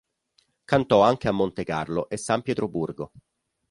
Cantò anche a Monte Carlo e San Pietroburgo.